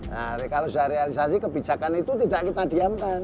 nah kalau sudah realisasi kebijakan itu tidak kita diamkan